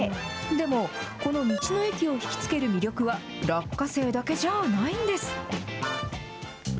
でも、この道の駅を引き付ける魅力は、落花生だけじゃないんです。